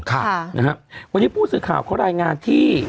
ค่ะนะฮะวันนี้ผู้สื่อข่าวเขารายงานที่